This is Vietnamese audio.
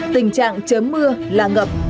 tình trạng chớm mưa là ngập